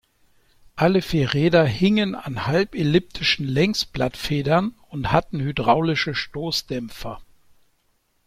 Alle vier Räder hingen an halbelliptischen Längsblattfedern und hatten hydraulische Stoßdämpfer.